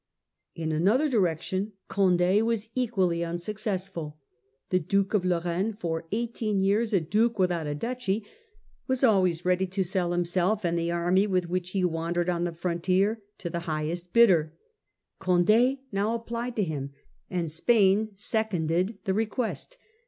* In another direction Conde was equally unsuccessful. The Duke of Lorraine, for eighteen years a duke without md to the a ducll y> was alwa ys read y to sell himself and Duke of the army with which he wandered on the Lorraine. frontier to the highest bidder. Condd now applied to him, and Spain seconded the request.